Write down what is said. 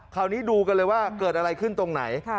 คราวนี้ดูกันเลยว่าเกิดอะไรขึ้นตรงไหน